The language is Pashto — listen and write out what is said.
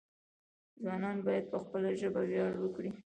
ځوانان باید په خپله ژبه ویاړ وکړي.